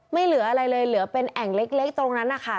ไม่เหลืออะไรเลยเหลือเป็นแอ่งเล็กตรงนั้นนะคะ